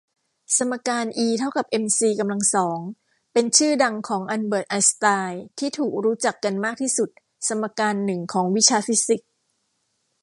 สมการอีเท่ากับเอ็มซีกำลังสองเป็นชื่อดังของอัลเบิร์ดไอน์สไตน์ที่ถูกรู้จักกันมากที่สุดสมการหนึ่งของวิชาฟิสิกส์